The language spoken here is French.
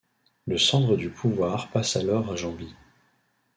Le centre du pouvoir passe alors à Jambi.